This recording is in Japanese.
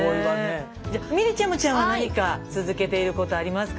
じゃあみりちゃむちゃんは何か続けていることありますか？